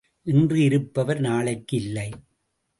இன்று இருப்பவர் நாளைக்கு இல்லை.